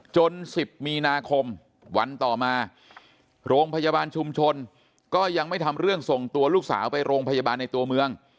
๑๐มีนาคมวันต่อมาโรงพยาบาลชุมชนก็ยังไม่ทำเรื่องส่งตัวลูกสาวไปโรงพยาบาลในตัวเมือง